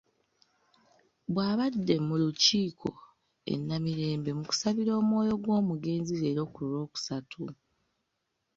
Bw'abadde mu Lukikko e Namirembe mu kusabira omwoyo gw'omugenzi leero ku Lwokusatu.